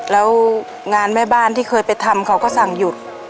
แล้วงานแม่บ้านที่เคยไปทำเขาก็สั่งหยุด